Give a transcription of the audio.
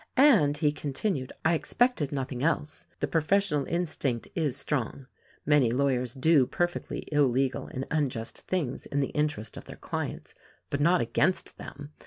"And," he continued, "I expected nothing else. The professional instinct is strong. Many lawyers do perfectly illegai and unjust things in the interest of their clients — but not against them.